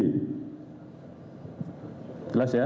bagaimana untuk penanganan dilakukan di mana